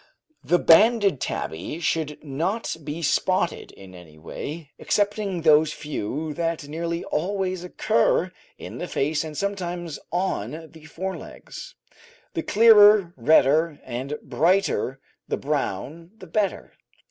The banded tabby should not be spotted in any way, excepting those few that nearly always occur on the face and sometimes on the fore legs. The clearer, redder, and brighter the brown the better.